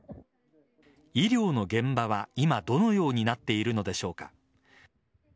医療の現場は今どのようになっているのでしょうか。